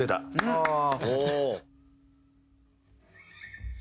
「ああ！」